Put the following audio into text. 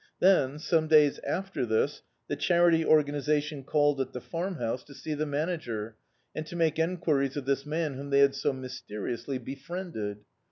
Then, some days after this, the Charity Organisation called at the Farmhouse to see D,i.,.db, Google At Last the manager, and to make enquiries of this man whom they had so mysteriously befriended.